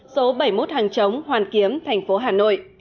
số bảy mươi một hàng chống hoàn kiếm thành phố hà nội